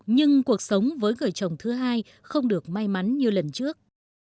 nhưng cuộc sống với người chồng thứ hai không được may mắn như lần trước